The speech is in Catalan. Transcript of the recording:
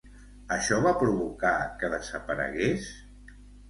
Això va provocar que desaparegués?